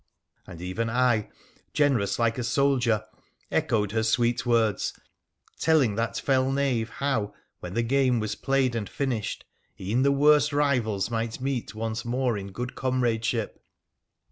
And even I, generous like a soldier, echoed her sweet words, telling that fell knave how, when the game was played and finished, e'en the worst rivals might meet once more in good comradeship.